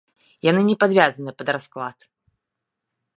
Яны не падвязаны пад расклад.